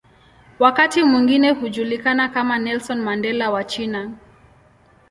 Wakati mwingine hujulikana kama "Nelson Mandela wa China".